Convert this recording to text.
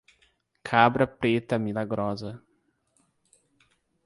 Cabra preta milagrosa